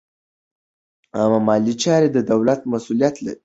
عامه مالي چارې د دولت مسوولیت دی.